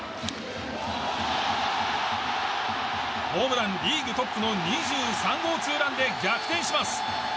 ホームランリーグトップの２３号ツーランで逆転します。